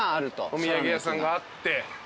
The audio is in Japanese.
お土産屋さんがあって。